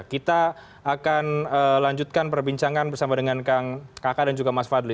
kita akan lanjutkan perbincangan bersama dengan kang kakak dan juga mas fadli